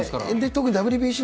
特にＷＢＣ